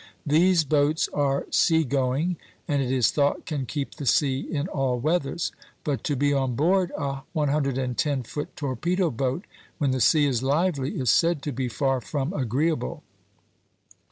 These boats are sea going, "and it is thought can keep the sea in all weathers; but to be on board a 110 foot torpedo boat, when the sea is lively, is said to be far from agreeable.